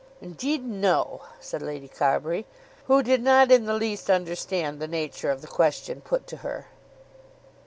"Indeed, no," said Lady Carbury, who did not in the least understand the nature of the question put to her.